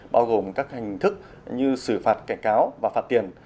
bao gồm các hình thức như xử phạt cảnh cáo và phạt tiền